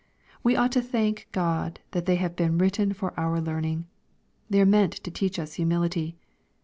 We ought to thank God that they have been written for our learning. They are meant to teach us humility.